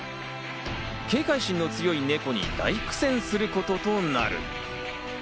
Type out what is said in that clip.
警戒心の強いネコに大苦戦することとなる。